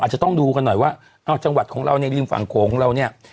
จะต้องดูกันหน่อยว่าเอาจังหวัดของเราในริมฝั่งโขงของเราเนี่ย